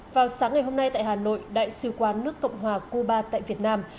vào sáng ngày hôm nay tại hà nội đại sứ quán nước cộng hòa cuba tại việt nam